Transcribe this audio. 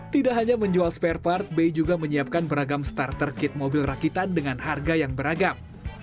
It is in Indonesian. tidak hanya menjual spare part bay juga menyiapkan beragam starter kit mobil rakitan dengan harga yang beragam